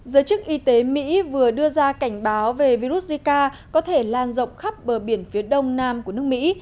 giới chức y tế mỹ vừa đưa ra cảnh báo về virus zika có thể lan rộng khắp bờ biển phía đông nam của nước mỹ